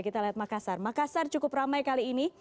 kita lihat makassar makassar cukup ramai kali ini